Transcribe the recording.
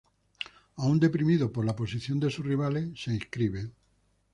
Aún deprimido por la posición de sus rivales, se inscribe.